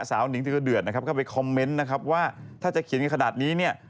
สาวหนิงก็เดือดนะครับเข้าไปคอมเม้นต์นะครับว่าถ้าจะเขียนอย่างขนาดนี้เนี่ย